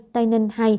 tây ninh hai